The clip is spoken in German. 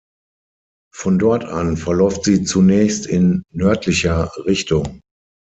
Von dort an verläuft sie zunächst in nördlicher Richtung.